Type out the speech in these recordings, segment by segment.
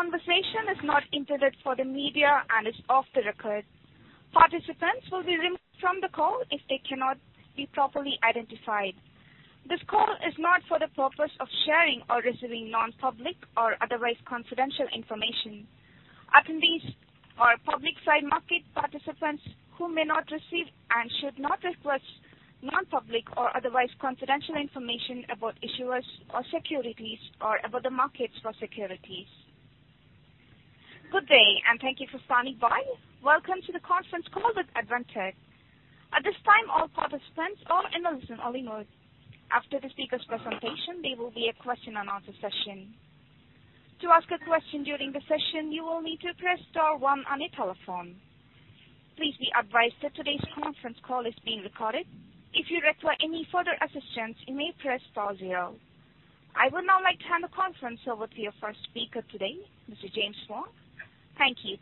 This conversation is not intended for the media and is off the record. Participants will be removed from the call if they cannot be properly identified. This call is not for the purpose of sharing or receiving non-public or otherwise confidential information. Attendees are public-side market participants who may not receive and should not request non-public or otherwise confidential information about issuers or securities, or about the markets for securities. Good day, and thank you for standing by. Welcome to the conference call with Advantech. At this time, all participants are in listen-only mode. After the speaker's presentation, there will be a question and answer session. To ask a question during the session, you will need to press star one on your telephone. Please be advised that today's conference call is being recorded. If you require any further assistance, you may press star zero. I would now like to hand the conference over to your first speaker today, Mr. James Wang. Thank you.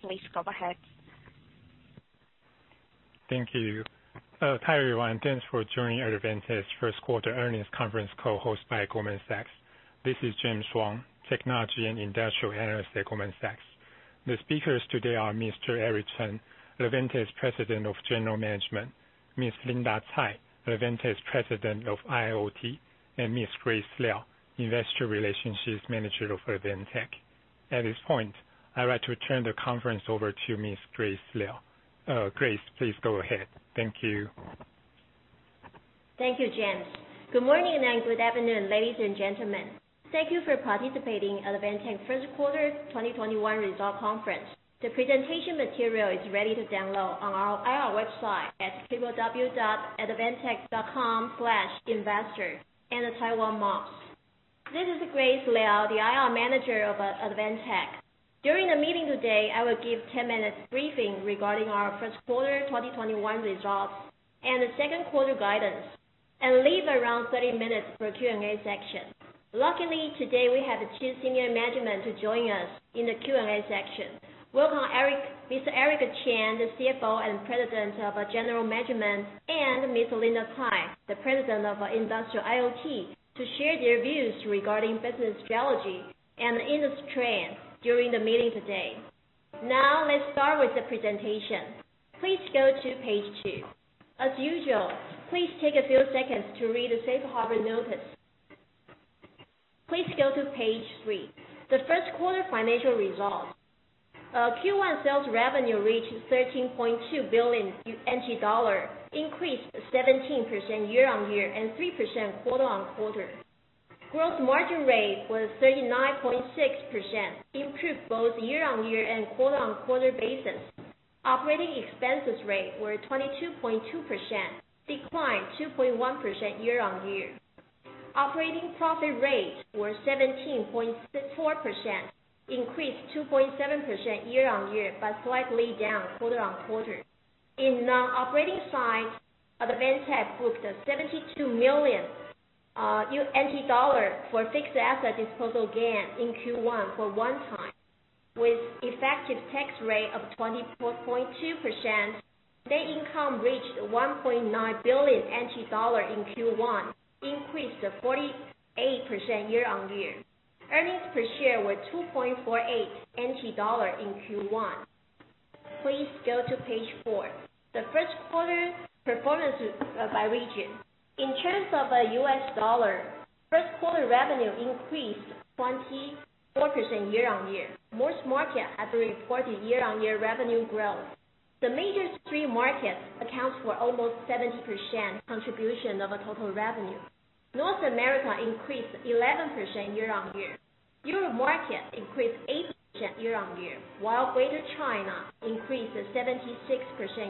Please go ahead. Thank you. Hi, everyone. Thanks for joining Advantech's first quarter earnings conference call hosted by Goldman Sachs. This is James Wang, Technology and Industrial Analyst at Goldman Sachs. The speakers today are Mr. Eric Chen, Advantech's President of General Management, Miss Linda Tsai, Advantech's President of IIoT, and Miss Grace Liao, Investor Relations Manager of Advantech. At this point, I would like to turn the conference over to Miss Grace Liao. Grace, please go ahead. Thank you. Thank you, James. Good morning and good afternoon, ladies and gentlemen. Thank you for participating in Advantech first quarter 2021 result conference. The presentation material is ready to download on our IR website at www.advantech.com/investor, and the Taiwan MOPS. This is Grace Liao, the IR Manager of Advantech. During the meeting today, I will give 10 minutes briefing regarding our first quarter 2021 results and the second quarter guidance, and leave around 30 minutes for Q&A section. Luckily, today we have two senior management to join us in the Q&A section. Welcome, Mr. Eric Chen, the CFO and President of General Management, and Miss Linda Tsai, the President of Industrial IoT, to share their views regarding business strategy and industry trends during the meeting today. Now, let's start with the presentation. Please go to page two. As usual, please take a few seconds to read the safe harbor notice. Please go to page three. The first quarter financial results. Q1 sales revenue reached 13.2 billion NT dollar, increased 17% year-on-year, and 3% quarter-on-quarter. Gross margin rate was 39.6%, improved both year-on-year and quarter-on-quarter basis. Operating expenses rate were 22.2%, declined 2.1% year-on-year. Operating profit rates were 17.4%, increased 2.7% year-on-year, but slightly down quarter-on-quarter. In non-operating side, Advantech booked a 72 million NT dollar for fixed asset disposal gain in Q1 for one time. With effective tax rate of 24.2%, net income reached 1.9 billion NT dollar in Q1, increased 48% year-on-year. Earnings per share were 2.48 NT dollar in Q1. Please go to page four. The first quarter performance by region. In terms of the U.S. dollar, first quarter revenue increased 24% year-on-year. Most markets have reported year-on-year revenue growth. The major three markets accounts for almost 70% contribution of our total revenue. North America increased 11% year-on-year. Europe market increased 8% year-on-year, while Greater China increased 76%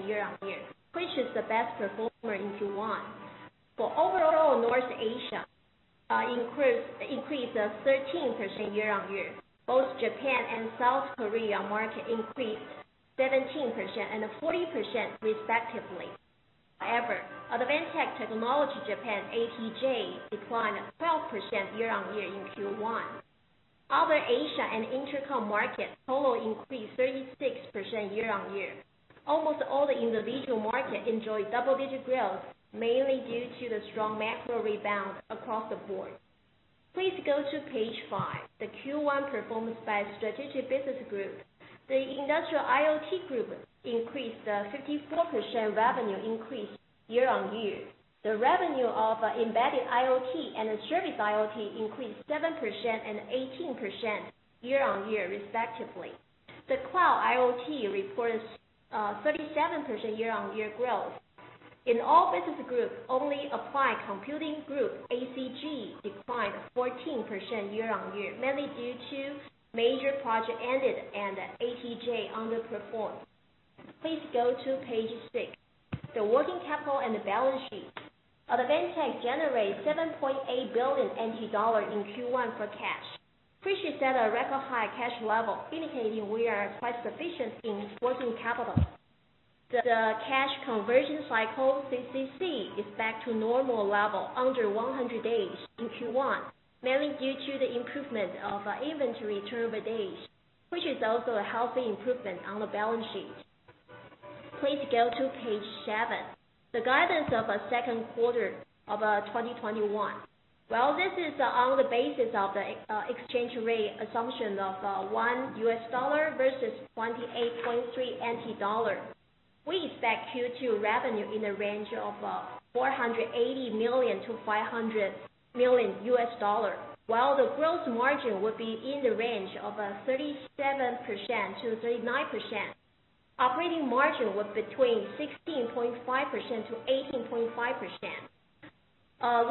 year-on-year, which is the best performer in Q1. For overall North Asia, increased 13% year-on-year. Both Japan and South Korea market increased 17% and 40% respectively. However, Advantech Technologies Japan, ATJ, declined 12% year-on-year in Q1. Other Asia and intercom markets total increased 36% year-on-year. Almost all the individual markets enjoyed double-digit growth, mainly due to the strong macro rebound across the board. Please go to page five, the Q1 performance by strategic business group. The Industrial IoT Group increased 54% revenue increase year-on-year. The revenue of Embedded IoT and Service IoT increased 7% and 18% year-on-year respectively. The Cloud IoT reports 37% year-on-year growth. In all business groups, only Applied Computing Group, ACG, declined 14% year-on-year, mainly due to major project ended and ATJ underperformed. Please go to page six, the working capital and the balance sheet. Advantech generated NTD 7.8 billion in Q1 for cash, which is at a record high cash level, indicating we are quite sufficient in working capital. The cash conversion cycle, CCC, is back to normal level, under 100 days in Q1, mainly due to the improvement of inventory turnover days, which is also a healthy improvement on the balance sheet. Please go to page seven. The guidance of our second quarter of 2021. This is on the basis of the exchange rate assumption of one U.S. dollar versus NTD 28.3, we expect Q2 revenue in the range of $480 million-$500 million, while the gross margin would be in the range of 37%-39%. Operating margin was between 16.5%-18.5%.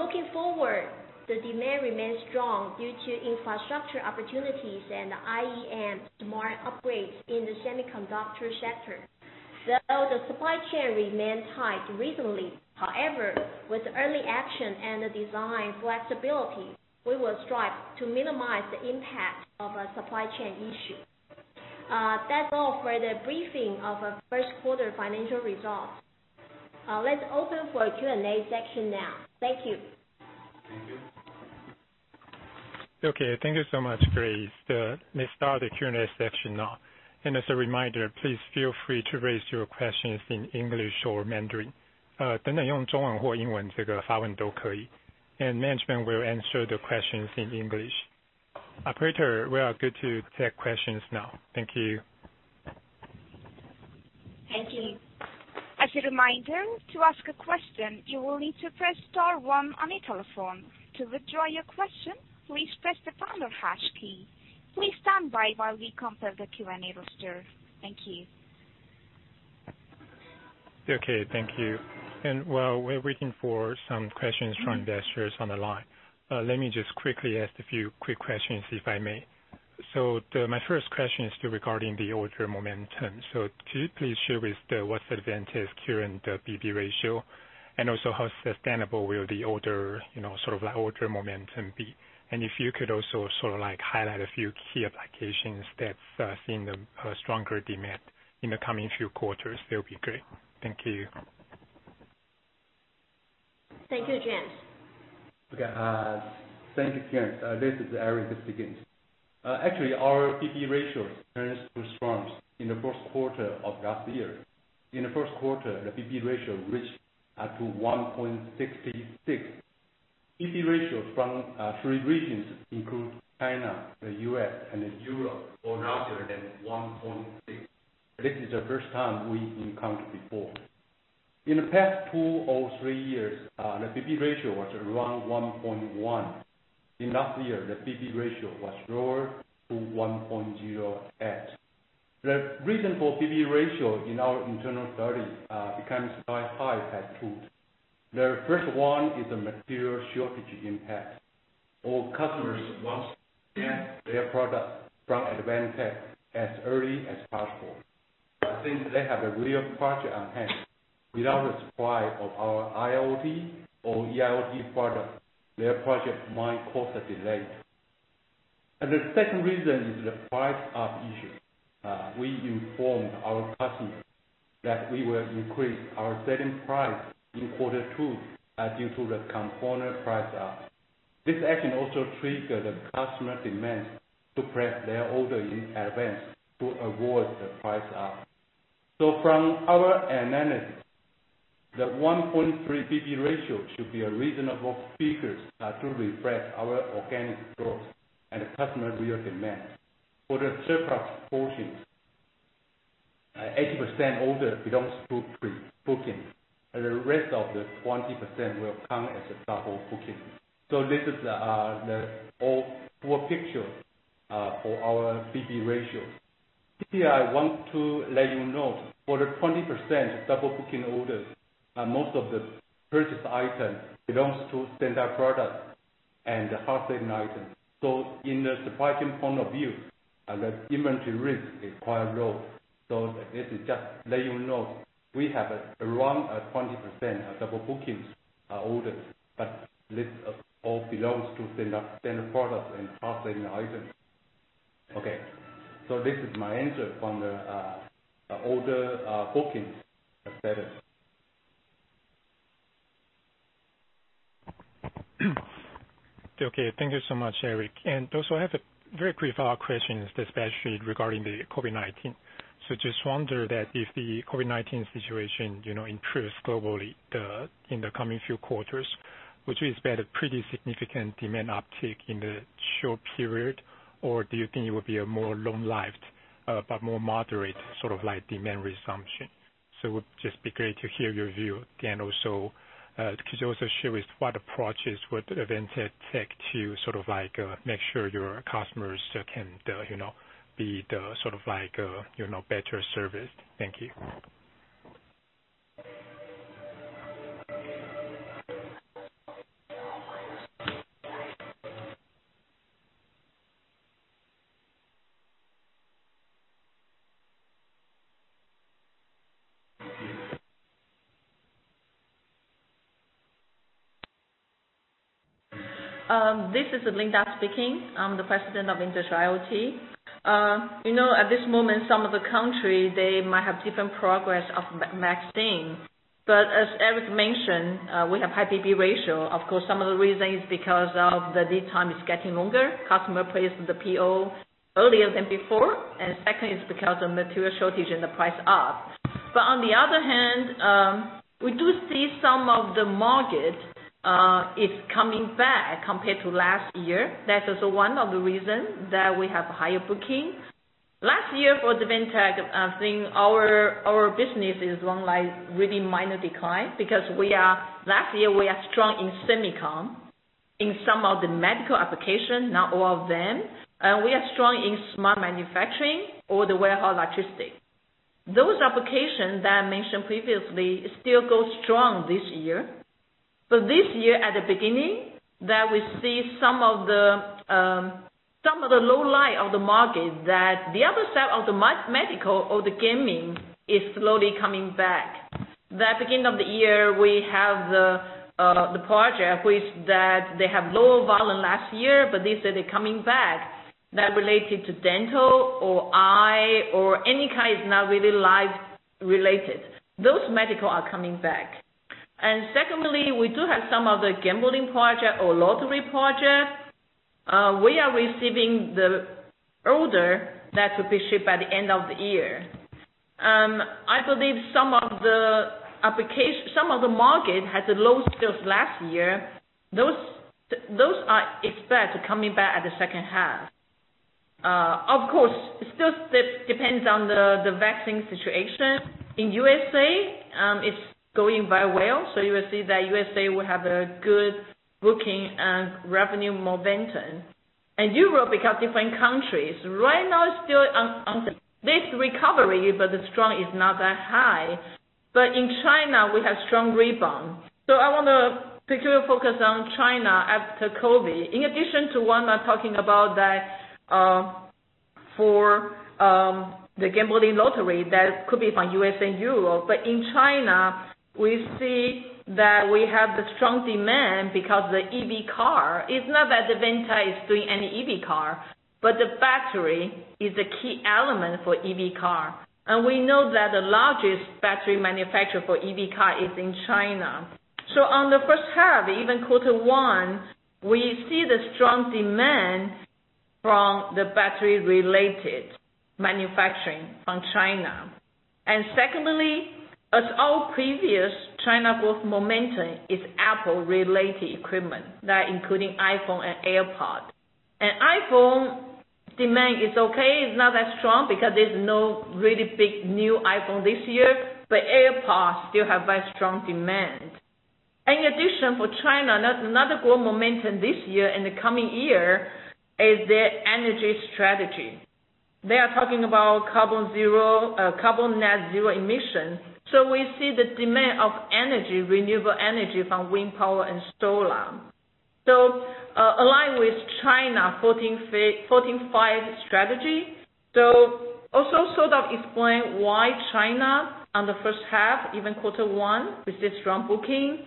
Looking forward, the demand remains strong due to infrastructure opportunities and IEM smart upgrades in the semiconductor sector. Though the supply chain remains tight recently, however, with early action and design flexibility, we will strive to minimize the impact of supply chain issue. That's all for the briefing of our first quarter financial results. Let's open for Q&A section now. Thank you. Okay. Thank you so much, Grace. Let's start the Q&A section now. As a reminder, please feel free to raise your questions in English or Mandarin. Management will answer the questions in English. Operator, we are good to take questions now. Thank you. As a reminder, to ask a question, you will need to press star one on your telephone. To withdraw your question, please press the pound or hash key. Please stand by while we confirm the Q&A roster. Thank you. Okay. Thank you. While we're waiting for some questions from investors on the line, let me just quickly ask a few quick questions, if I may. My first question is regarding the order momentum. Could you please share with what's Advantech's current book-to-bill ratio, and also how sustainable will the order momentum be? If you could also highlight a few key applications that's seeing a stronger demand in the coming few quarters, that would be great? Thank you. Thank you, James. Okay. Thank you, James. This is Eric. Actually, our B/B ratio turns to strong in the first quarter of last year. In the first quarter, the B/B ratio reached up to 1.66. B/B ratio from three regions, including China, the U.S., and Europe, all larger than 1.6. This is the first time we encounter before. In the past two or three years, the B/B ratio was around 1.1. In last year, the B/B ratio was lower to 1.0 add. The reason for B/B ratio in our internal study becomes very high had two. The first one is the material shortage impact. All customers want to get their product from Advantech as early as possible. Since they have a real project on hand, without the supply of our IoT or EIoT product, their project might cause a delay. The second reason is the price up issue. We informed our customers that we will increase our selling price in quarter two due to the component price up. This action also triggered the customer demand to place their order in advance to avoid the price up. From our analysis, the 1.3 B/B ratio should be a reasonable figure to reflect our organic growth and customer real demand. For the surplus portions, 80% orders belongs to pre-booking, and the rest of the 20% will come as a double booking. This is the whole full picture for our B/B ratio. Here, I want to let you know for the 20% double booking orders, most of the purchase item belongs to standard product and the hard selling item. In the supply chain point of view, the inventory risk is quite low. This is just let you know we have around 20% of double bookings orders, but this all belongs to standard products and hard selling items. Okay, this is my answer from the order bookings status. Okay, thank you so much, Eric. Also, I have a very quick follow-up question, especially regarding the COVID-19. Just wonder that if the COVID-19 situation improves globally in the coming few quarters, would you expect a pretty significant demand uptick in the short period, or do you think it would be a more long-lived but more moderate demand resumption? Would just be great to hear your view. Also, could you also share with what approaches would Advantech take to make sure your customers can be better serviced? Thank you. This is Linda speaking. I'm the President of Industrial IoT. At this moment, some of the country, they might have different progress of vaccine. As Eric mentioned, we have high P/B ratio. Of course, some of the reason is because of the lead time is getting longer. Customer place the PO earlier than before, second is because of material shortage and the price up. On the other hand, we do see some of the market is coming back compared to last year. That is one of the reasons that we have higher booking. Last year for Advantech, I think our business is one like really minor decline because last year we are strong in semiconductor, in some of the medical application, not all of them. We are strong in smart manufacturing or the warehouse logistics. Those applications that I mentioned previously still go strong this year. This year, at the beginning, that we see some of the low light of the market that the other side of the medical or the gaming is slowly coming back. The beginning of the year, we have the project which that they have low volume last year, but they say they're coming back. That related to dental or eye or any kind, is not really life related. Those medical are coming back. Secondly, we do have some of the gambling project or lottery project. We are receiving the order that will be shipped by the end of the year. I believe some of the market had the low sales last year. Those are expect coming back at the second half. Of course, it still depends on the vaccine situation. In U.S., it's going very well. You will see that U.S. will have a good booking and revenue momentum. In Europe, because different countries, right now it's still on this recovery, but the strong is not that high. In China, we have strong rebound. I want to particularly focus on China after COVID. In addition to one I talking about that for the gambling lottery, that could be from U.S. and Europe. In China, we see that we have the strong demand because the EV car. It's not that Advantech is doing any EV car, but the battery is a key element for EV car, and we know that the largest battery manufacturer for EV car is in China. On the first half, even quarter one, we see the strong demand from the battery-related manufacturing from China. Secondly, as all previous China growth momentum is Apple related equipment, that including iPhone and AirPods. iPhone demand is okay. It is not that strong because there is no really big new iPhone this year, but AirPods still have very strong demand. In addition, for China, another growth momentum this year and the coming year is their energy strategy. They are talking about carbon net zero emission. We see the demand of renewable energy from wind power and solar. Align with China 14th Five-Strategy. Also sort of explain why China on the first half, even quarter one, we see strong booking.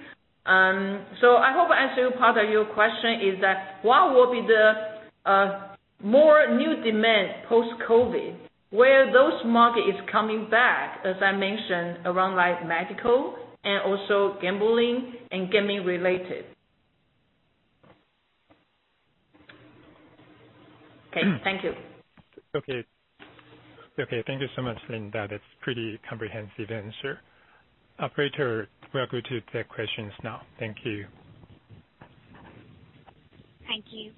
I hope I answer part of your question is that what will be the more new demand post-COVID, where those market is coming back, as I mentioned, around like medical and also gambling and gaming related. Okay, thank you. Okay. Thank you so much, Linda. That's pretty comprehensive answer. Operator, we are good to take questions now. Thank you. Thank you.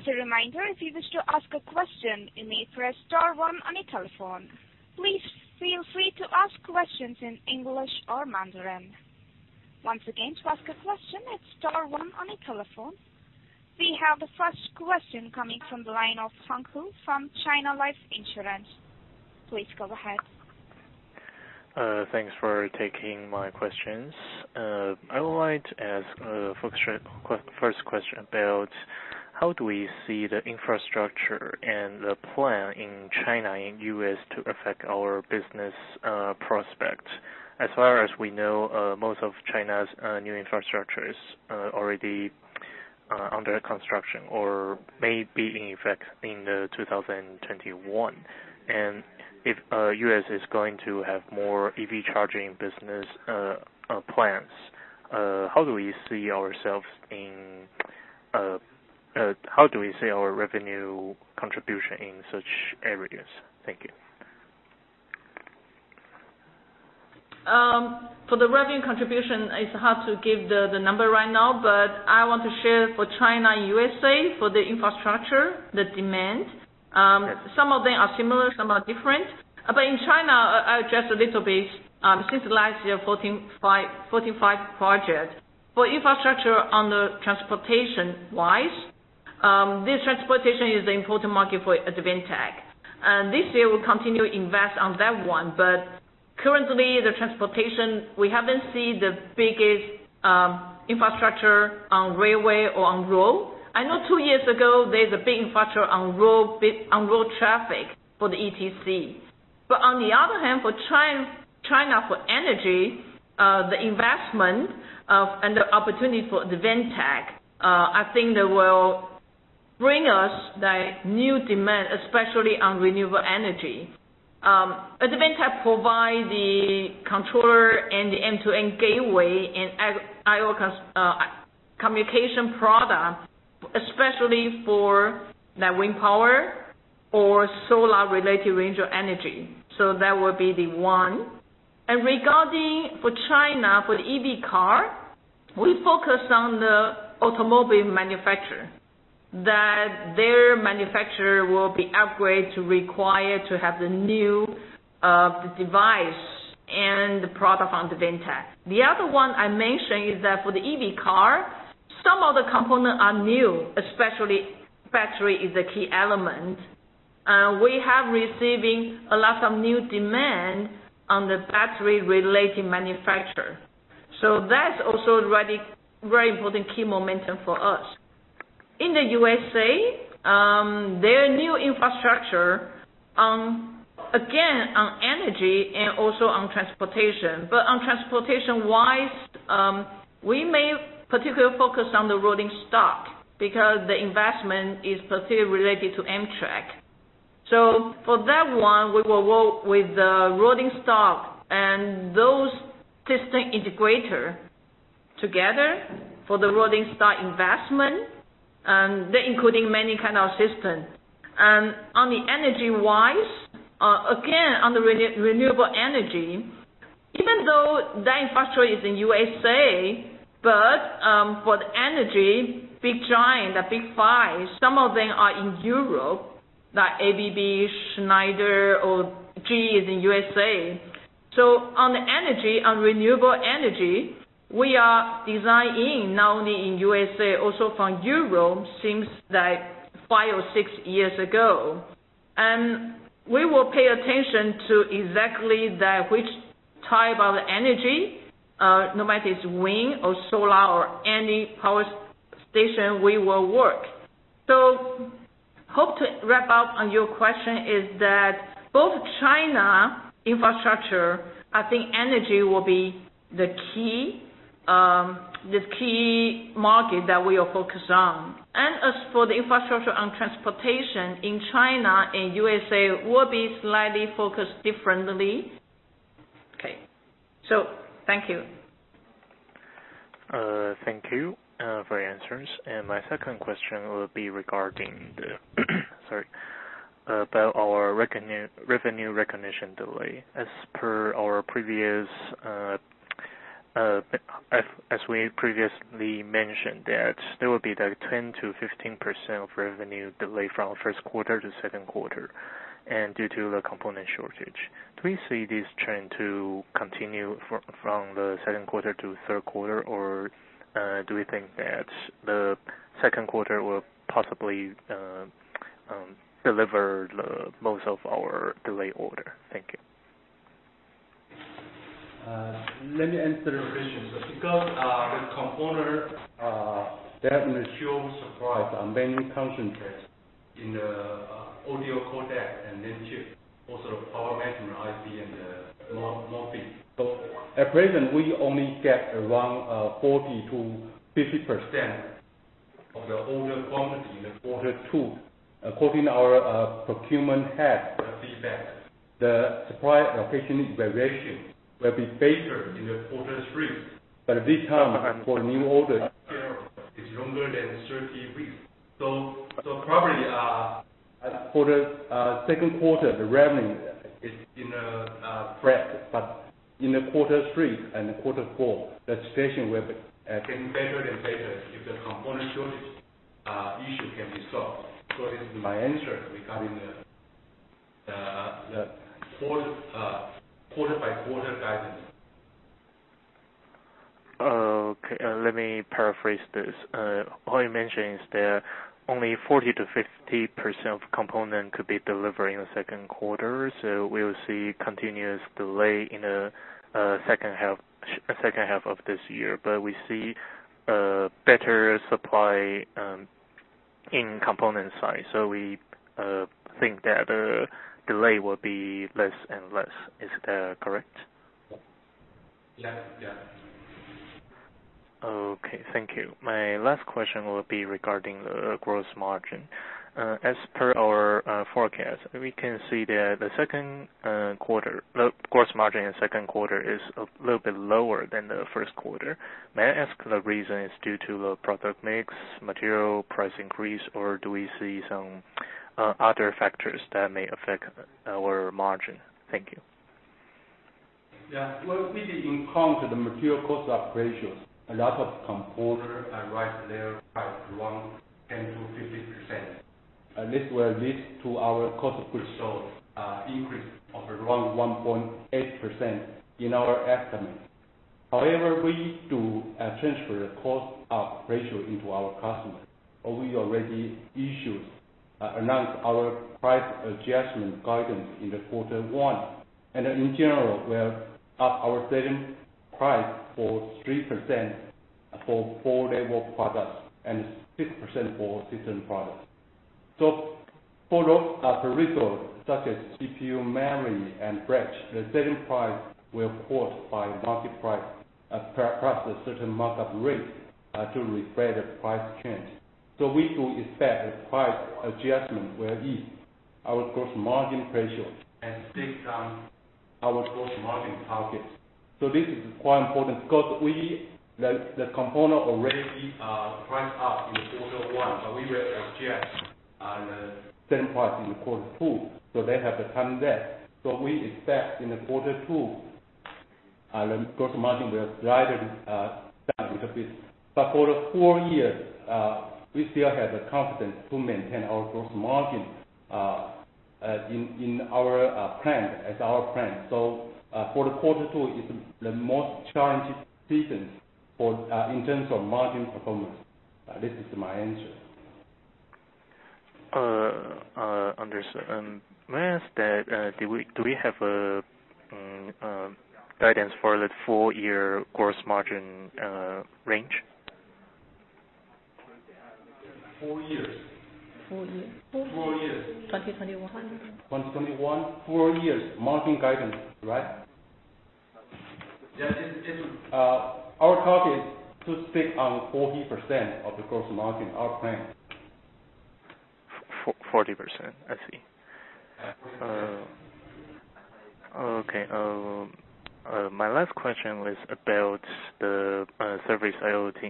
As a reminder, if you wish to ask a question you may press star one on your telephone. Please feel free to ask questions in English or Mandarin. Once again, to ask a question, it is star one on your telephone. We have the first question coming from the line of Hank Hu from China Life Insurance. Please go ahead. Thanks for taking my questions. I would like to ask first question about how do we see the infrastructure and the plan in China and U.S. to affect our business prospect? As far as we know, most of China's new infrastructure is already under construction or may be in effect in 2021. If U.S. is going to have more EV charging business plans, how do we see our revenue contribution in such areas? Thank you. For the revenue contribution, it's hard to give the number right now. I want to share for China and U.S.A. for the infrastructure, the demand. Some of them are similar, some are different. In China, just a little bit, since last year, 14th Five-Project. For infrastructure under transportation wise, this transportation is an important market for Advantech. This year we'll continue to invest on that one. Currently, the transportation, we haven't seen the biggest infrastructure on railway or on road. I know two years ago, there's a big infrastructure on road traffic for the ETC. On the other hand, for China, for energy, the investment and the opportunity for Advantech, I think they will bring us the new demand, especially on renewable energy. Advantech provide the controller and the end-to-end gateway and I/O communication product, especially for the wind power or solar related range of energy. That would be the one. Regarding for China, for the EV car, we focus on the automobile manufacturer, that their manufacturer will be upgraded to require to have the new device and the product from Advantech. The other one I mentioned is that for the EV car, some of the components are new, especially battery is a key element. We have receiving a lot of new demand on the battery-related manufacturer. That's also very important key momentum for us. In the USA, their new infrastructure, again, on energy and also on transportation. On transportation wise, we may particularly focus on the rolling stock, because the investment is particularly related to Amtrak. For that one, we will work with the rolling stock and those system integrator together for the rolling stock investment, and that including many kind of systems. On the energy wise, again, on the renewable energy, even though the infrastructure is in the U.S., but for the energy, big giant, the big five, some of them are in Europe, like ABB, Schneider or GE is in the U.S. On the energy, on renewable energy, we are designing not only in the U.S., also from Europe, since five or six years ago. We will pay attention to exactly that which type of energy, no matter it's wind or solar or any power station, we will work. Hope to wrap up on your question is that both China infrastructure, I think energy will be the key market that we will focus on. As for the infrastructure on transportation in China and U.S.A. will be slightly focused differently. Okay. Thank you. Thank you for your answers. My second question will be regarding our revenue recognition delay. As we previously mentioned, that there will be the 10%-15% of revenue delay from first quarter to second quarter, and due to the component shortage. Do we see this trend to continue from the second quarter to third quarter, or do we think that the second quarter will possibly deliver the most of our delayed order? Thank you. Let me answer your question. Because the component that material supply are mainly concentrated in the audio codec and LAN chip, also power management IC and the MOSFET. At present, we only get around 40%-50% of the order quantity in the quarter two. According our procurement head feedback, the supply location variation will be better in the quarter three, but the lead time for new order is longer than 13 weeks. Probably for the second quarter, the revenue is in a threat. In the quarter three and quarter four, the situation will be getting better and better if the component shortage issue can be solved. It is my answer regarding the quarter by quarter guidance. Okay, let me paraphrase this. All you mentioned is that only 40%-50% of component could be delivered in the second quarter. We'll see continuous delay in the second half of this year. We see a better supply in component side, so we think that the delay will be less and less. Is that correct? Yeah. Okay, thank you. My last question will be regarding the gross margin. As per our forecast, we can see that the gross margin in the second quarter is a little bit lower than the first quarter. May I ask the reason is due to the product mix, material price increase, or do we see some other factors that may affect our margin? Thank you. Yeah. Well, we did encounter the material cost up ratios. A lot of component are right there, price around 10%-15%. This will lead to our cost of goods sold increase of around 1.8% in our estimate. However, we do transfer the cost up ratio into our customers, or we already announced our price adjustment guidance in the quarter one. In general, we have up our selling price for 3% for board level products and 6% for system products. For those at risk, such as CPU, memory, and boards, the selling price were caught by market price plus a certain markup rate to reflect the price change. We do expect that price adjustments will ease our gross margin pressure and take down our gross margin targets. This is quite important because the component already priced up in the quarter one, but we will adjust on the selling price in the quarter two, so they have the time there. We expect in the quarter two, the gross margin will slightly down a bit. For the full year, we still have the confidence to maintain our gross margin as our plan. For the quarter two, it's the most challenging season in terms of margin performance. This is my answer. Understood. May I ask that, do we have a guidance for the full-year gross margin range? Full years. Full years. Full years. 2021. 2021. Full years margin guidance, right? Yes. Our target to stick on 40% of the gross margin, our plan. 40%. I see. Okay. My last question was about the Service IoT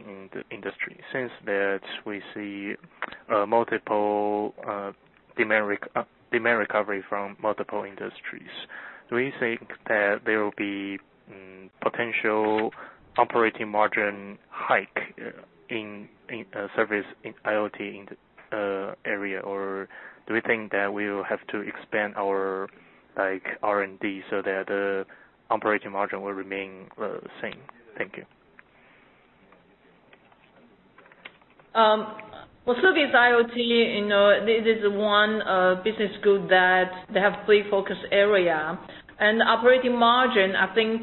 industry. Since we see demand recovery from multiple industries, do you think that there will be potential operating margin hike in Service IoT in the area, or do we think that we will have to expand our R&D so that the operating margin will remain the same? Thank you. Service IoT, this is one business group that they have three focus areas. Operating margin, I think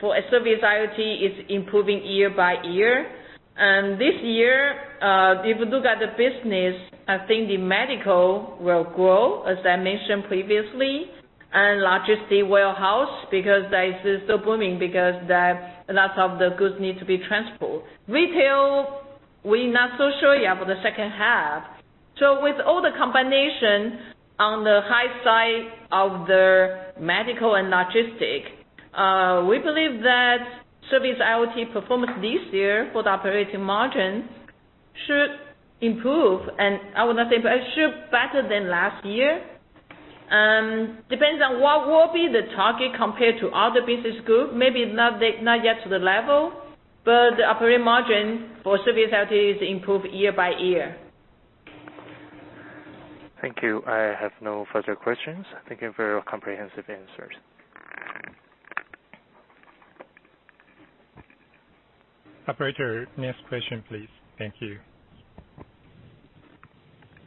for Service IoT, is improving year by year. This year, if you look at the business, I think Medical will grow, as I mentioned previously, and Logistics Warehouse, because that is still booming, because lots of the goods need to be transported. Retail, we're not so sure yet for the second half. With all the combination on the high side of Medical and Logistics, we believe that Service IoT performance this year for the operating margin should improve. I would not say, but it should be better than last year. Depends on what will be the target compared to other business groups. Maybe not yet to the level, but the operating margin for Service IoT is improved year by year. Thank you. I have no further questions. Thank you for your comprehensive answers. Operator, next question, please. Thank you.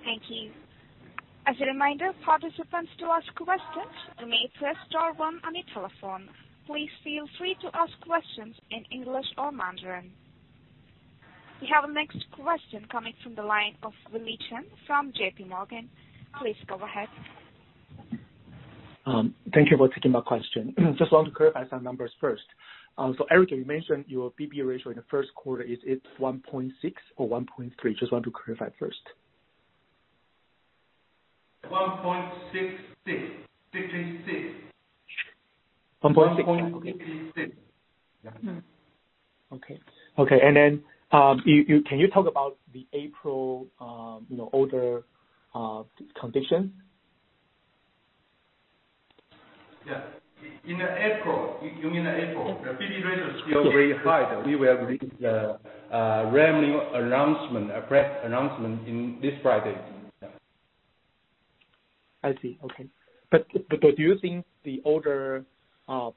Thank you. As a reminder, participants, to ask questions, you may press star one on your telephone. Please feel free to ask questions in English or Mandarin. We have the next question coming from the line of Willy Chen from JPMorgan. Please go ahead. Thank you for taking my question. Just want to clarify some numbers first. Eric, you mentioned your P/B ratio in the first quarter. Is it 1.6 or 1.3? Just want to clarify first. 1.66. 1.6? 1.66. Yeah. Okay. Can you talk about the April order condition? Yeah. In April, you mean April? The P/B ratio is still very high. We will release the revenue announcement, a press announcement this Friday. Yeah. I see. Okay. Do you think the order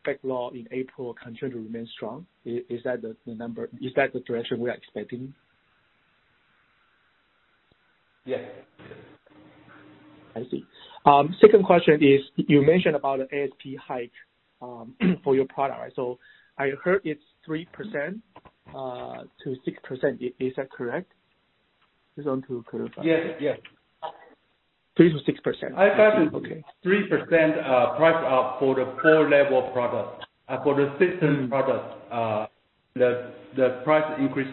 backlog in April continued to remain strong? Is that the direction we are expecting? Yes. I see. Second question is, you mentioned about the ASP hike for your product, right? I heard it's 3%-6%. Is that correct? Just want to clarify. Yes. 3%-6%. I see. Okay. I think 3% price up for the board level product. For the system product, the price increase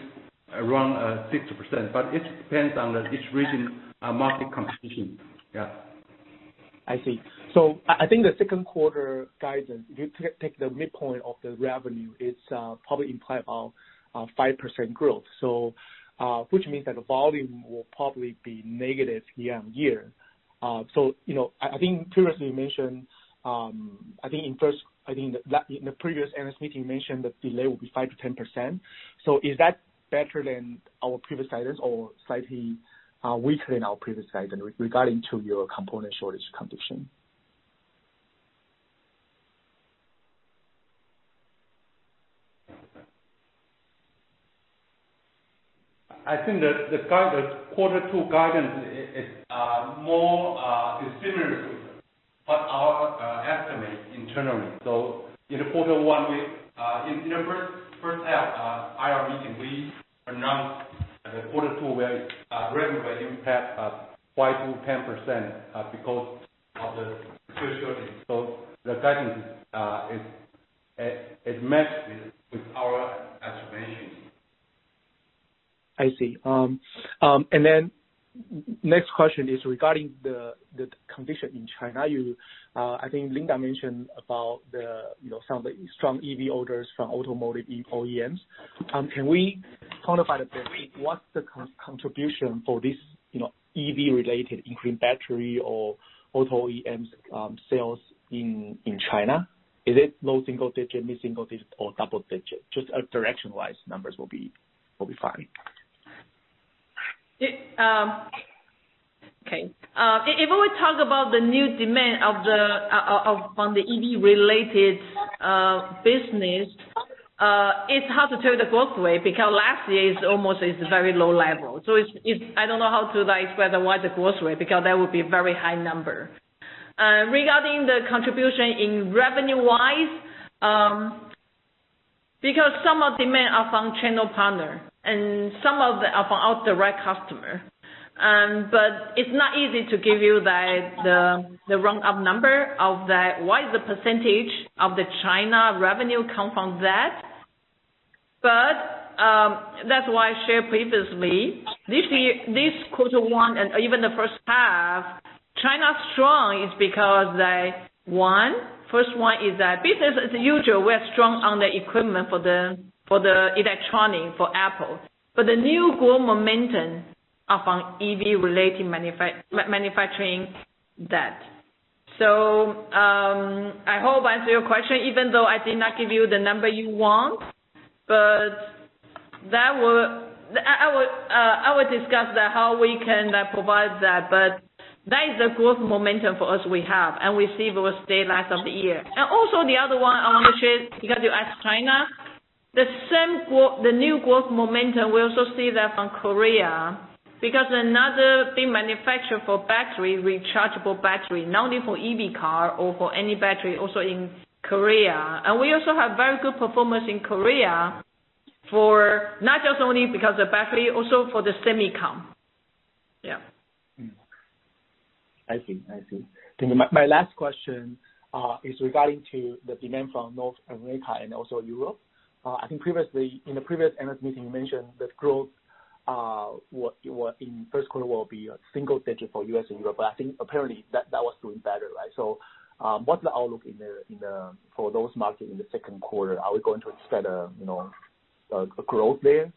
around 6%, but it depends on each region market competition. Yeah. I see. I think the second quarter guidance, if you take the midpoint of the revenue, it probably implies a 5% growth. Which means that the volume will probably be negative year-over-year. I think previously, you mentioned that delay will be 5%-10%. Is that better than our previous guidance or slightly weaker than our previous guidance regarding your component shortage condition? I think the quarter two guidance is more similar to them, but our estimate internally. In the first half of IR meeting, we announced that the quarter two revenue will impact 5%-10% because of the chip shortage. The guidance is matched with our estimation. I see. Next question is regarding the condition in China. I think Linda mentioned about some of the strong EV orders from automotive OEMs. Can we quantify a bit, what's the contribution for this EV-related increased battery or auto OEMs sales in China? Is it low single digit, mid-single digit or double digit? Just direction-wise numbers will be fine. If we talk about the new demand from the EV-related business, it's hard to tell the growth rate, because last year is almost a very low level. I don't know how to [weather-wise] the growth rate, because that would be a very high number. Regarding the contribution in revenue-wise, because some of demand are from channel partner and some of them are from our direct customer. It's not easy to give you the round up number of that, what is the percentage of the China revenue come from that. That's why I share previously, this quarter one and even the first half, China's strong is because first one is that business as usual. We are strong on the equipment for the electronic, for Apple. The new growth momentum are from EV-related manufacturing. I hope I answered your question even though I did not give you the number you want. I will discuss that how we can provide that, but that is the growth momentum for us we have, and we see it will stay last of the year. Also, the other one I want to share, because you asked China, the new growth momentum, we also see that from Korea, because another big manufacturer for battery, rechargeable battery, not only for EV car or for any battery, also in Korea. We also have very good performance in Korea for not just only because of battery, also for the semiconductor. Yeah. I see. My last question, is regarding to the demand from North America and also Europe. I think previously in the previous analyst meeting, you mentioned that growth in first quarter will be a single digit for U.S. and Europe. I think apparently that was doing better, right? What's the outlook for those markets in the second quarter? Are we going to expect a growth there?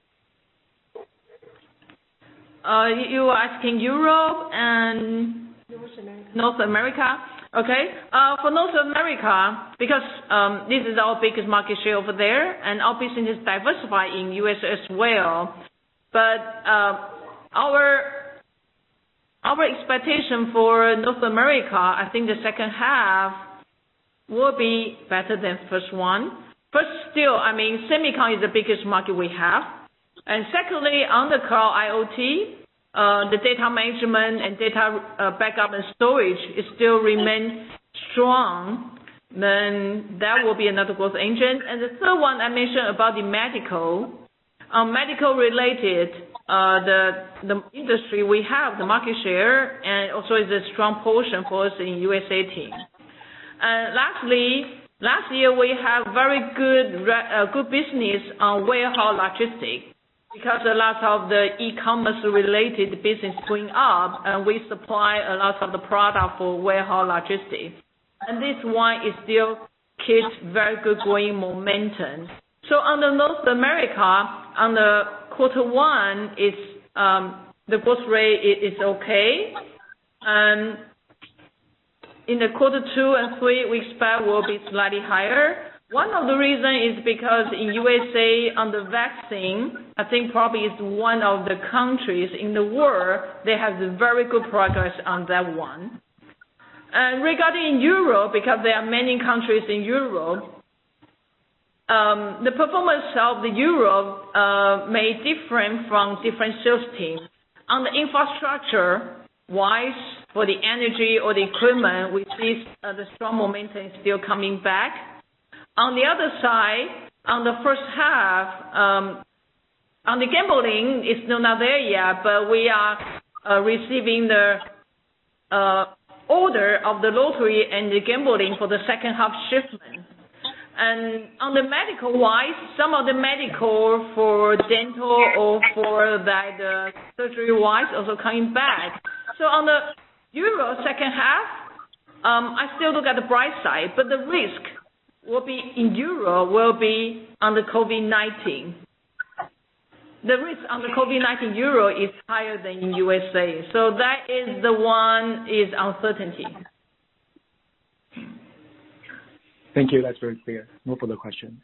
You are asking Europe and North America. North America. Okay, for North America, because this is our biggest market share over there, and our business diversify in U.S. as well. Our expectation for North America, I think the second half will be better than first one. Still, semicon is the biggest market we have. Secondly, on the Cloud IoT, the data management and data backup and storage still remains strong, that will be another growth engine. The third one I mentioned about the medical. Medical related, the industry we have, the market share and also is a strong portion for us in U.S.A. team. Lastly, last year we have very good business on warehouse logistics because a lot of the e-commerce related business going up, and we supply a lot of the product for warehouse logistics. This one still keeps very good growing momentum. Under North America, under Q1, the growth rate is okay. In the Q2 and Q3, we expect will be slightly higher. One of the reason is because in U.S.A. on the vaccine, I think probably is one of the countries in the world that has very good progress on that one. Regarding Europe, because there are many countries in Europe, the performance of the Europe may different from different sales teams. On the infrastructure-wise, for the energy or the equipment, we see the strong momentum is still coming back. On the other side, on the first half, on the gambling is not there yet. We are receiving the order of the lottery and the gambling for the second half shipment. On the medical-wise, some of the medical for dental or for the surgery-wise also coming back. On the Euro second half, I still look at the bright side, but the risk in Euro will be on the COVID-19. The risk on the COVID-19 Euro is higher than in U.S. That is the one is uncertainty. Thank you. That's very clear. No further question.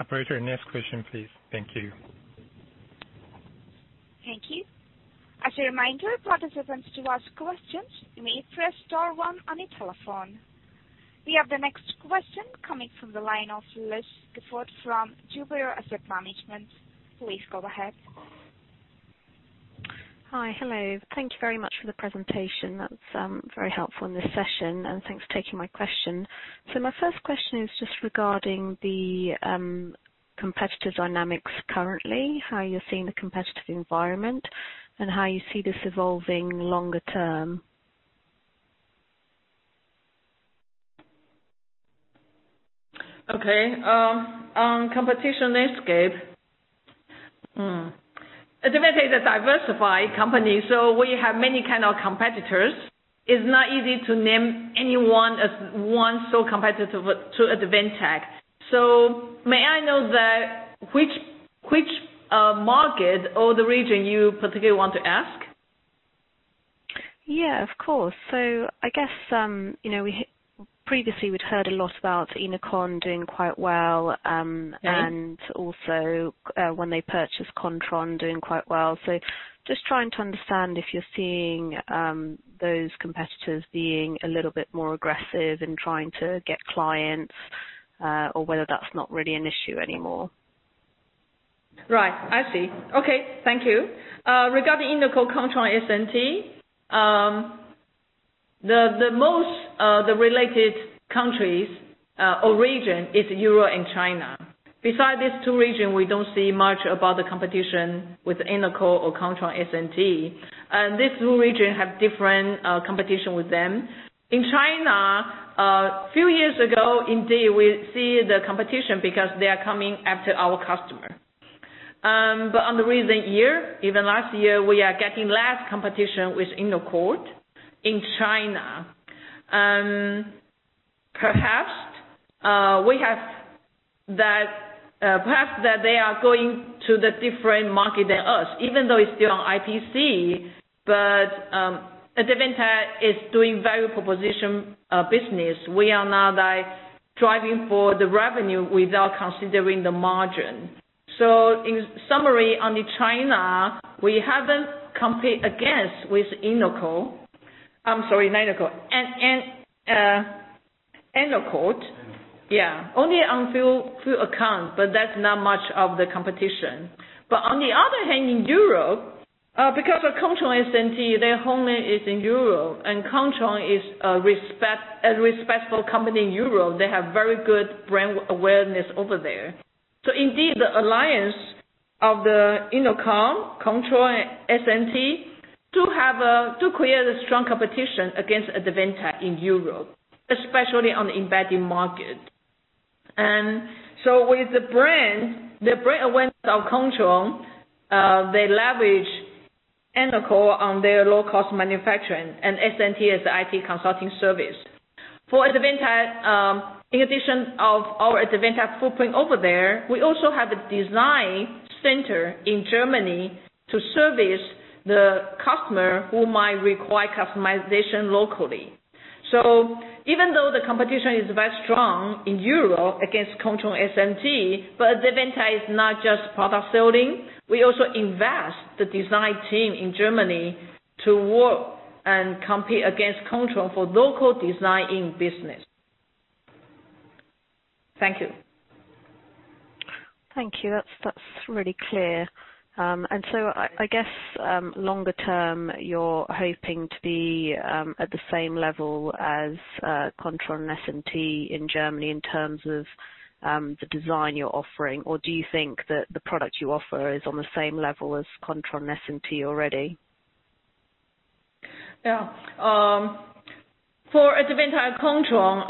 Operator, next question, please. Thank you. Thank you. As a reminder, participants, to ask questions, you may press star one on your telephone. We have the next question coming from the line of Liz Gifford from Jupiter Asset Management. Please go ahead. Hi. Hello. Thank you very much for the presentation. That's very helpful in this session, and thanks for taking my question. My first question is just regarding the competitive dynamics currently, how you're seeing the competitive environment, and how you see this evolving longer term? Okay. On competition landscape, Advantech is a diversified company. We have many kind of competitors. It is not easy to name any one sole competitor to Advantech. May I know which market or the region you particularly want to ask? Yeah, of course. I guess, previously we'd heard a lot about Ennoconn doing quite well. Right Also when they purchased Kontron, doing quite well. Just trying to understand if you're seeing those competitors being a little bit more aggressive in trying to get clients, or whether that's not really an issue anymore? Right. I see. Okay. Thank you. Regarding Ennoconn, Kontron, S&T, the most related countries or region is Europe and China. Beside these two region, we don't see much about the competition with Ennoconn or Kontron, S&T. These two region have different competition with them. In China, few years ago, indeed, we see the competition because they are coming after our customer. On the recent year, even last year, we are getting less competition with Ennoconn in China. Perhaps that they are going to the different market than us, even though it's still on IPC, but Advantech is doing value proposition business. We are now driving for the revenue without considering the margin. In summary, only China, we haven't compete against with Ennoconn. I'm sorry, not Ennoconn. Ennoconn. Yeah. Only on few account, that's not much of the competition. On the other hand, in Europe, because of Kontron, S&T, their homeland is in Europe, and Kontron is a respectful company in Europe. They have very good brand awareness over there. Indeed, the alliance of the Ennoconn, Kontron, S&T, do create a strong competition against Advantech in Europe, especially on the embedded market. With the brand awareness of Kontron, they leverage Ennoconn on their low-cost manufacturing, and S&T is the IT consulting service. For Advantech, in addition of our Advantech footprint over there, we also have a design center in Germany to service the customer who might require customization locally. Even though the competition is very strong in Europe against Kontron, S&T, but Advantech is not just product selling. We also invest the design team in Germany to work and compete against Kontron for local designing business. Thank you. Thank you. That's really clear. I guess, longer term, you're hoping to be at the same level as Kontron and S&T in Germany in terms of the design you're offering, or do you think that the product you offer is on the same level as Kontron and S&T already? Yeah. For Advantech and Kontron,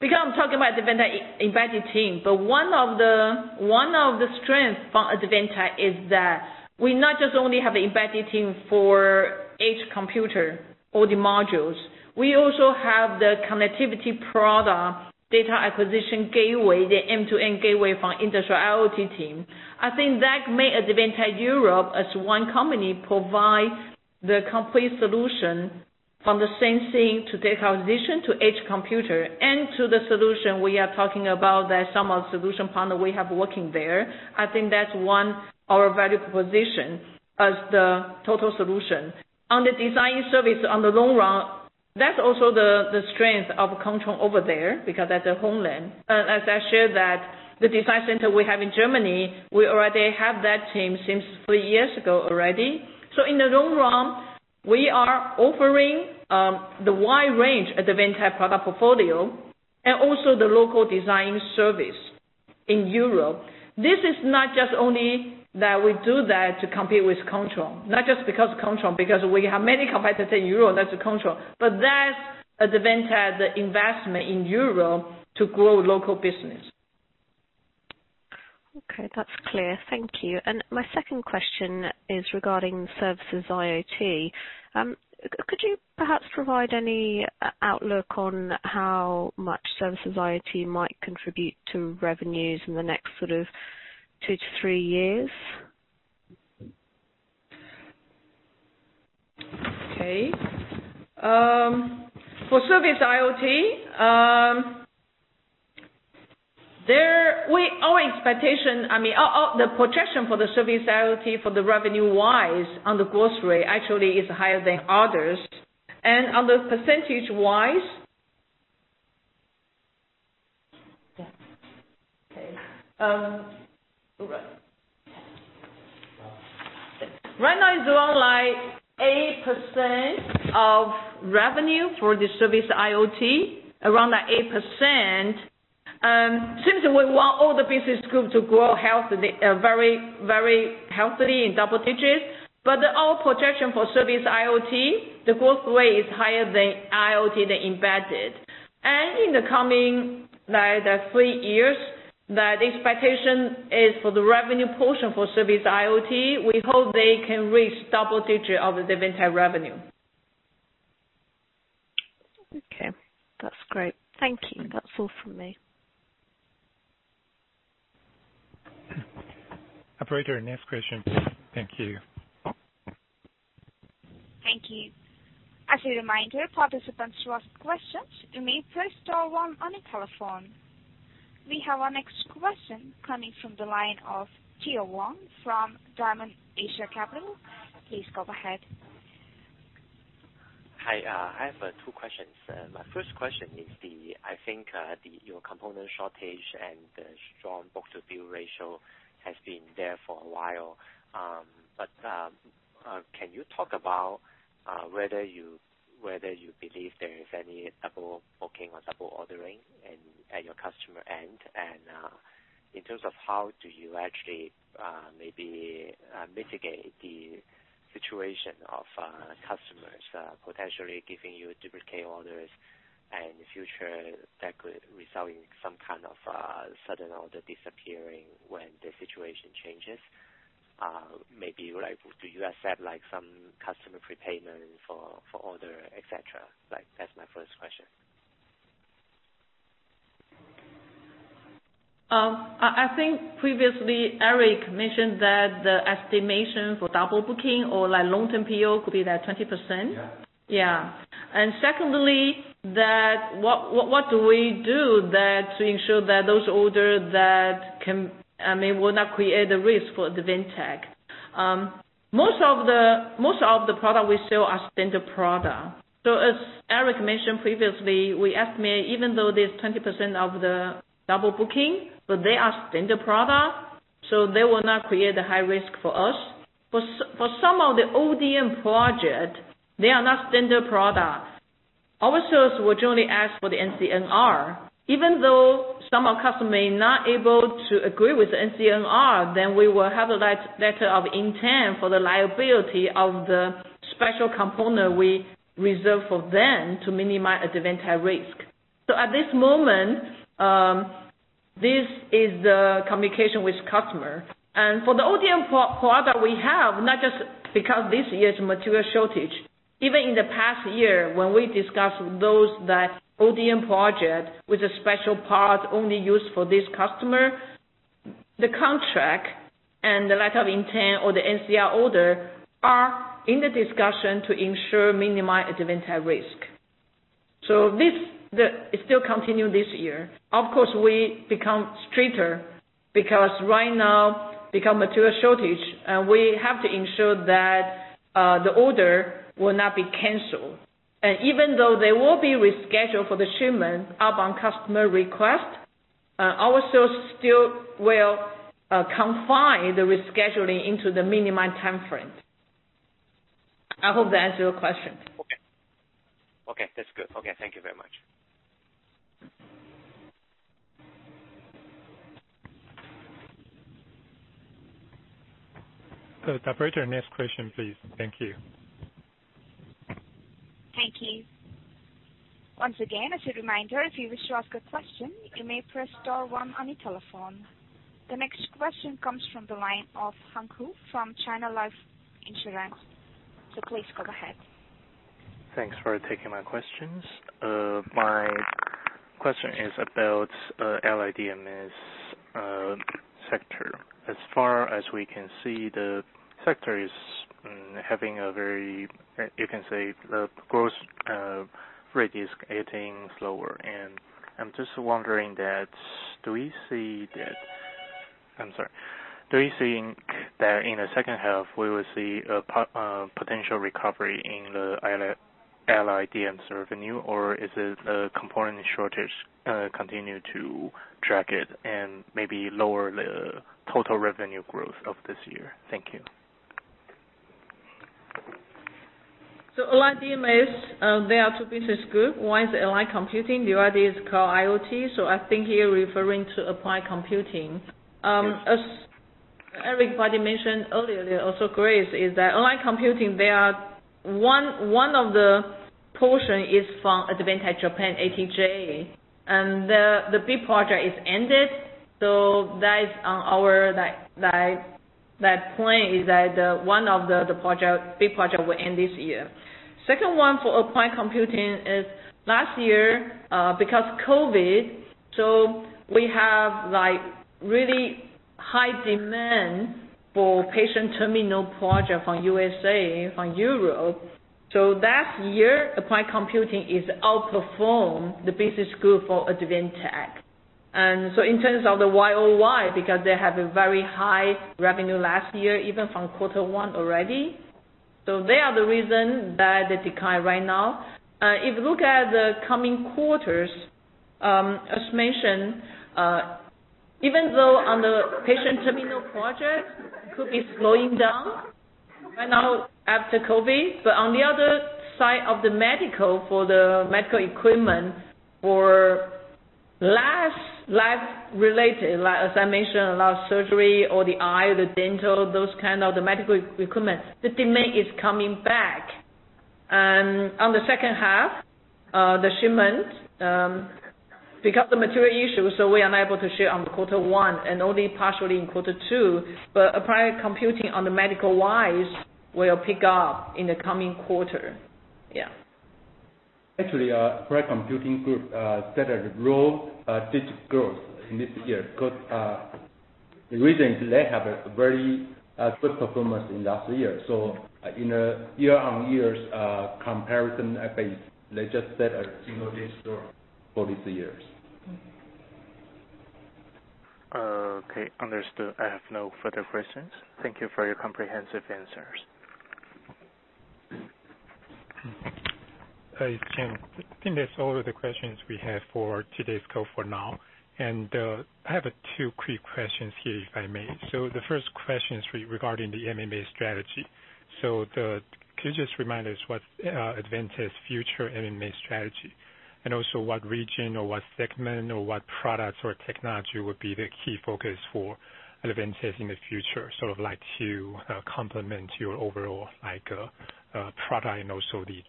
because I am talking about Advantech embedded team, one of the strengths for Advantech is that we not just only have the embedded team for edge computer or the modules, we also have the connectivity product, data acquisition gateway, the end-to-end gateway for Industrial IoT team. I think that makes Advantech Europe as one company provide the complete solution from the sensing to data acquisition to edge computer and to the solution we are talking about that some of solution partners we have working there. I think that's one our value proposition as the total solution. On the design service on the long run, that's also the strength of Kontron over there, because that's their homeland. As I shared that, the design center we have in Germany, we already have that team since three years ago already. In the long run, we are offering the wide range Advantech product portfolio and also the local design service in Europe. This is not just only that we do that to compete with Kontron, not just because Kontron, because we have many competitors in Europe, that's Kontron, but that's Advantech, the investment in Europe to grow local business. Okay. That's clear. Thank you. My second question is regarding Service IoT. Could you perhaps provide any outlook on how much Service IoT might contribute to revenues in the next two-three years? Okay. For service IoT, our expectation, the projection for the service IoT for the revenue-wise on the growth rate actually is higher than others. On the percentage-wise, right now it's around 8% of revenue for the service IoT. Since we want all the business group to grow very healthily in double digits, our projection for service IoT, the growth rate is higher than IoT, the embedded. In the coming three years, the expectation is for the revenue portion for service IoT, we hope they can reach double digit of the Advantech revenue. Okay. That's great. Thank you. That's all from me. Operator, next question, please. Thank you. Thank you. As a reminder, participants who ask questions, you may press star one on your telephone. We have our next question coming from the line of Theo Wong from Diamond Asia Capital. Please go ahead. Hi. I have two questions. My first question is, I think your component shortage and the strong book-to-bill ratio has been there for a while. Can you talk about whether you believe there is any double booking or double ordering at your customer end? In terms of how do you actually maybe mitigate the situation of customers potentially giving you duplicate orders in the future that could result in some kind of sudden order disappearing when the situation changes? Maybe do you accept some customer prepayment for order, et cetera? That's my first question. I think previously Eric mentioned that the estimation for double booking or long-term PO could be like 20%. Yeah. Secondly, what do we do to ensure that those orders will not create a risk for Advantech? Most of the product we sell are standard product. As Eric mentioned previously, we estimate even though there is 20% of the double booking, but they are standard product, so they will not create a high risk for us. For some of the ODM project, they are not standard product. Our sales will generally ask for the NCNR. Even though some of customer may not able to agree with the NCNR, then we will have a letter of intent for the liability of the special component we reserve for them to minimize Advantech risk. At this moment, this is the communication with customer. For the ODM product we have, not just because this year's material shortage, even in the past year, when we discussed those ODM project with a special part only used for this customer, the contract and the letter of intent or the NCNR order are in the discussion to ensure minimized Advantech risk. This still continue this year. Of course, we become stricter because right now become material shortage, and we have to ensure that the order will not be canceled. Even though they will be rescheduled for the shipment upon customer request, our sales still will confine the rescheduling into the minimized time frame. I hope that answers your question. Okay. That's good. Okay. Thank you very much. Operator, next question, please. Thank you. Thank you. Once again, as a reminder, if you wish to ask a question, you may press star one on your telephone. The next question comes from the line of Hank Hu from China Life Insurance. Please go ahead. Thanks for taking my questions. My question is about Allied DMS sector. As far as we can see, the sector, you can say, the growth rate is getting slower. I'm just wondering that, I'm sorry. Do you see that in the second half, we will see a potential recovery in the Allied DMS revenue, or is it the component shortage continue to drag it and maybe lower the total revenue growth of this year? Thank you. Allied DMS, there are two business group. One is Applied Computing, the other is called IoT. I think you're referring to Applied Computing. As everybody mentioned earlier, also Grace, is that Applied Computing, one of the portion is from Advantech Japan, ATJ, and the big project is ended. That plan is that one of the big project will end this year. Second one for Applied Computing is last year, because COVID. High demand for patient terminal projects from U.S.A., from Europe. That year, Applied Computing Group has outperformed the business group for Advantech. In terms of the Y-o-Y, because they have a very high revenue last year, even from quarter one already. They are the reason that it declined right now. If you look at the coming quarters, as mentioned, even though on the patient terminal project, it could be slowing down right now after COVID, but on the other side of the medical, for the medical equipment or less life related, as I mentioned, less surgery or the eye, the dental, those kind of the medical equipment, the demand is coming back. On the second half, the shipment, because of the material issue, so we are unable to ship on quarter one and only partially in quarter two. Applied computing on the medical-wise will pick up in the coming quarter. Yeah. Actually, Applied Computing Group set a low-digit growth in this year. The reason is they have a very good performance in last year. In a year-over-year comparison at base, they just set a single-digit growth for this year. Okay. Understood. I have no further questions. Thank you for your comprehensive answers. Hey, Chen. I think that's all of the questions we have for today's call for now. I have two quick questions here, if I may. The first question is regarding the M&A strategy. Could you just remind us what's Advantech's future M&A strategy? Also what region or what segment or what products or technology would be the key focus for Advantech in the future, sort of to complement your overall product and also the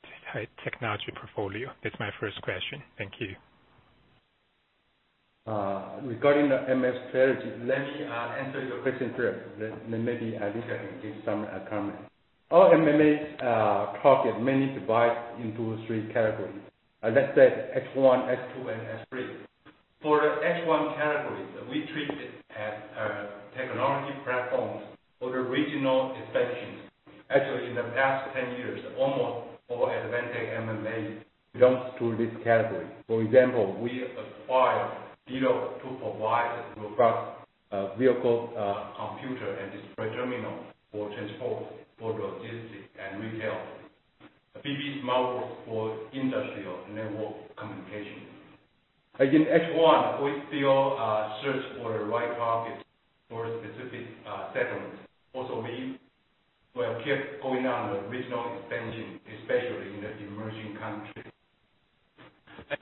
technology portfolio? That's my first question. Thank you. Regarding the M&A strategy, let me answer your question first, then maybe Linda can give some comment. All M&A targets mainly divide into three categories. Let's say S 1, S 2, and S 3. For the S 1 category, we treat it as a technology platform for the regional expansion. Actually, in the past 10 years, almost all Advantech M&A belongs to this category. For example, we acquired [DLoG] to provide robust vehicle computer and display terminal for transport, for logistics, and retail. B+B SmartWorx for industrial network communication. In S 1, we still search for the right target for a specific segment. Also, we will keep going on the regional expansion, especially in the emerging country.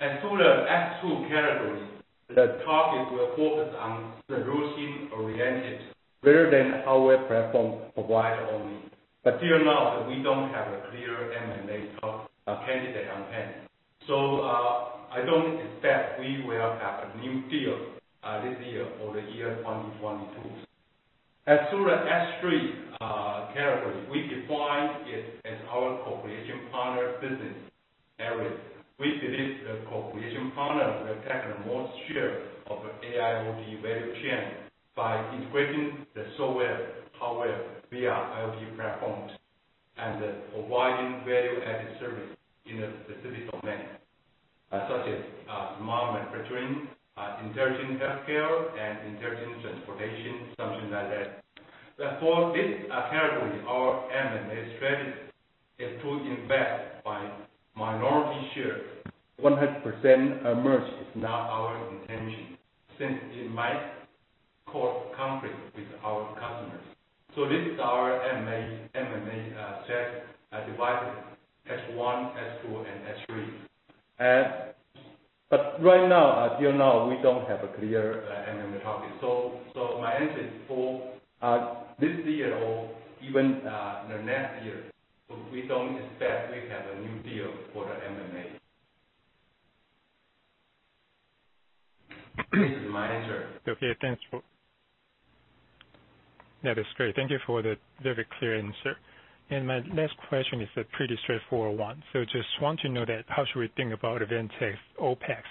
As to the S 2 category, the target will focus on solution-oriented rather than hardware platform provider only. Till now, we don't have a clear M&A target candidate on hand. I don't expect we will have a new deal this year or the year 2022. As to the S3 category, we define it as our cooperation partner business area. We believe the cooperation partners will take the most share of AIoT value chain by integrating the software, hardware, via IoT platforms, and providing value-added service in a specific domain, such as smart manufacturing, intelligent healthcare, and intelligent transportation, something like that. For this category, our M&A strategy is to invest by minority share. 100% merge is not our intention, since it might cause conflict with our customers. This is our M&A strategy divided S1, S2, and S3. Right now, till now, we don't have a clear M&A target. My answer is for this year or even the next year, we don't expect we have a new deal for the M&A. This is my answer. That is great. Thank you for the very clear answer. My last question is a pretty straightforward one. Just want to know that how should we think about Advantech's OpEx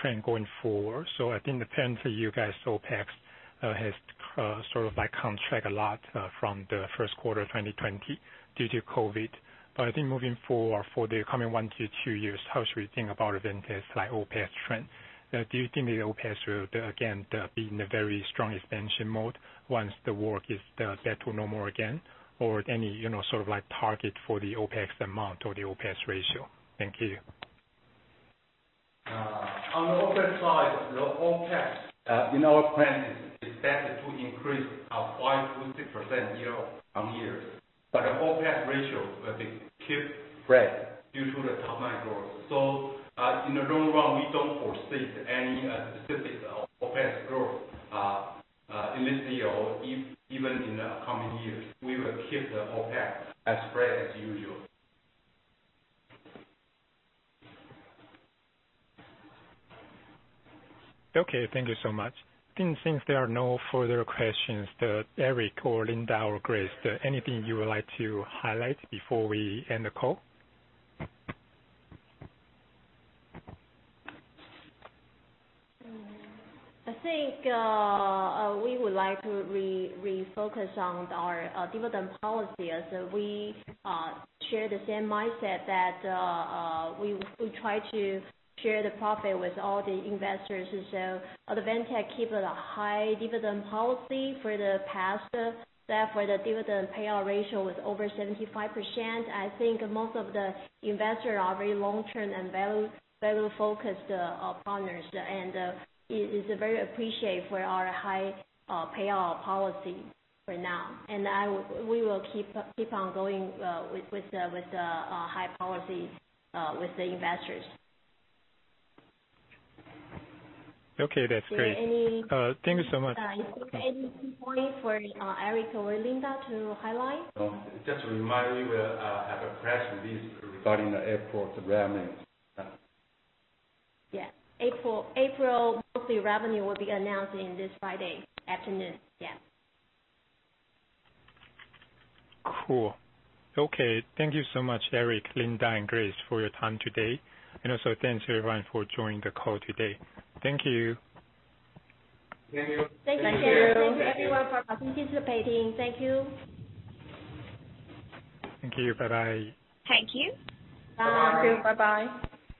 trend going forward? I think the trend for you guys, OpEx, has sort of contracted a lot from the first quarter of 2020 due to COVID. I think moving forward for the coming one-two years, how should we think about Advantech's OpEx trend? Do you think the OpEx will again, be in a very strong expansion mode once the world is back to normal again? Any sort of target for the OpEx amount or the OpEx ratio? Thank you. On the OpEx side, the OpEx in our plan is expected to increase 5%-6% year-over-year. The OpEx ratio will be kept flat due to the top-line growth. In the long run, we don't foresee any specific OpEx growth in this year, or even in the coming years. We will keep the OpEx as flat as usual. Thank you so much. I think since there are no further questions, Eric or Linda or Grace, anything you would like to highlight before we end the call? I think we would like to refocus on our dividend policy as we share the same mindset that we try to share the profit with all the investors. Advantech keep a high dividend policy for the past. Therefore, the dividend payout ratio was over 75%. I think most of the investors are very long-term and value-focused partners, and is very appreciative for our high payout policy for now. We will keep on going with the high policy with the investors. Okay, that's great. Is there any- Thank you so much. Is there any key point for Eric or Linda to highlight? No. Just a reminder, we will have a press release regarding the April revenue. Yeah. April monthly revenue will be announced in this Friday afternoon. Yeah. Cool. Okay. Thank you so much, Eric, Linda, and Grace for your time today, and also thanks to everyone for joining the call today. Thank you. Thank you. Thank you. Thank you. Thank you, everyone, for participating. Thank you. Thank you. Bye bye. Thank you. Okay, bye bye.